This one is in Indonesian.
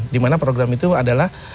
dimana program itu adalah